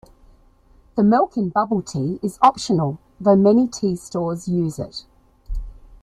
The milk in bubble tea is optional, though many tea stores use it.